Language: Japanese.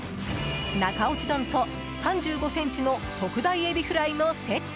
中落ち丼と、３５ｃｍの特大エビフライのセット。